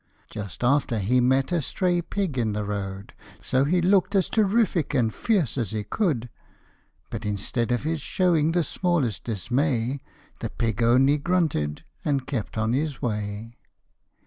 Just after he met a stray pig in the road, So he look'd as terrific and fierce as he could ; But instead of his showing the smallest dismay, The pig only grunted, and kept on his way.